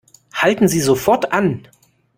Halten Sie sofort an!